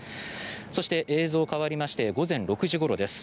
そして映像変わりまして午前６時ごろです。